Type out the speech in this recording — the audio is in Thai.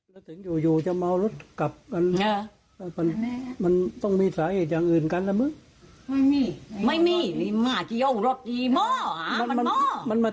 มันอยากมีมันอยากมีแต่ไอ้พี่อ่ะไม่รู้ภาคไปน้อย